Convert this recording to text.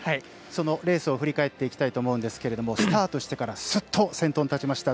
そのレースを振り返っていきたいと思うんですけれどもスタートしてからすっと先頭に立ちました。